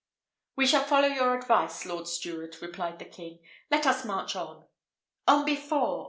"We shall follow your advice, lord steward," replied the king; "let us march on." "On before!